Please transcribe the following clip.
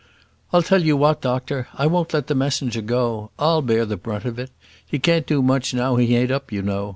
"I'll tell you what, doctor; I won't let the messenger go. I'll bear the brunt of it. He can't do much now he ain't up, you know.